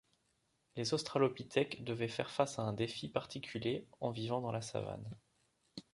Les Australopithèques devaient faire face à un défi particulier en vivant dans la savane.